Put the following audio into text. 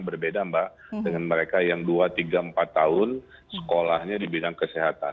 berbeda mbak dengan mereka yang dua tiga empat tahun sekolahnya di bidang kesehatan